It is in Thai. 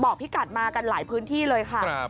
พี่กัดมากันหลายพื้นที่เลยค่ะ